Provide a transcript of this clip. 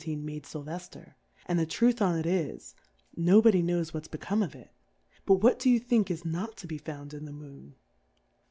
i€ made Stlvefter ; and the Truth on't is, no Body knows what's become of it: But what do you think is not to be found in the Moon